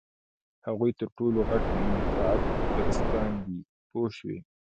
هغوی تر ټولو غټ منفعت پرستان دي پوه شوې!.